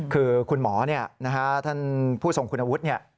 คือคุณหมอผู้ส่งคุณะวุฒิเนี่ย